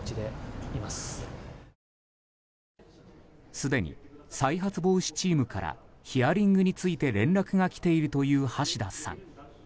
すでに再発防止チームからヒアリングについて連絡が来ているという橋田さん。